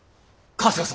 春日様！